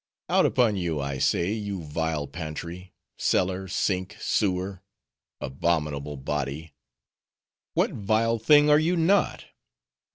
Out upon you, I say, you vile pantry, cellar, sink, sewer; abominable body! what vile thing are you not?